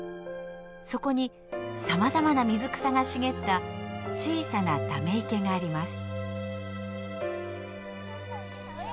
そこにさまざまな水草が茂った小さなため池があります。